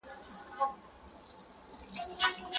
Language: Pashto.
د نيت لپاره د لفظ احتمال شتون نلري.